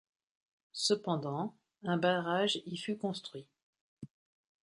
Cependant, un barrage y fut construit.